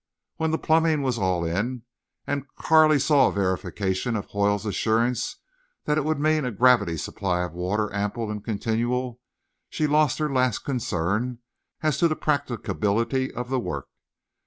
When the plumbing was all in and Carley saw verification of Hoyle's assurance that it would mean a gravity supply of water ample and continual, she lost her last concern as to the practicability of the work.